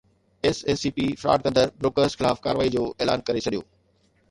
S E C P fraud ڪندڙ بروکرز خلاف ڪارروائي جو اعلان ڪري ڇڏيو